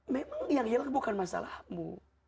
memang yang hilang bukan masalahmu